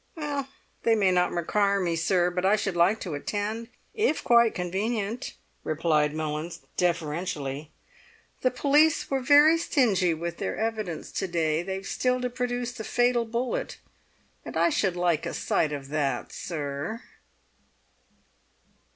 "They may not require me, sir, but I should like to attend, if quite convenient," replied Mullins deferentially. "The police were very stingy with their evidence to day; they've still to produce the fatal bullet, and I should like a sight of that, sir."